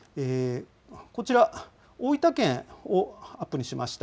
こちら、大分県をアップにしました。